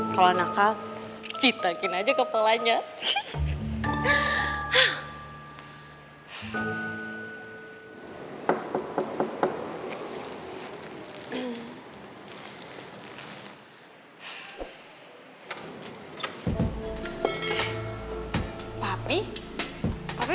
kalau nakal citakin aja kepelanya